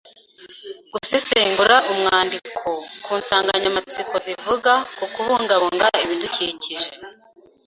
Gusesengura umwandiko ku nsanganyamatsiko zivuga ku kubungabunga ibidukikije.